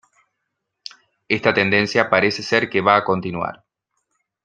Esta tendencia parece ser que va a continuar.